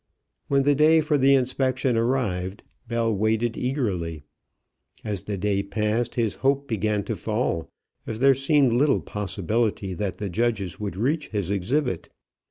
When the day for the inspection arrived Bell waited eagerly. As the day passed his hope began to fall, as there seemed little possibility that the judges would reach his exhibit.